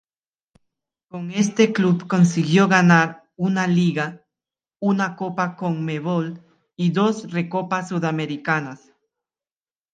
Con este club consiguió ganar una Liga, una Copa Conmebol y dos Recopas Sudamericanas.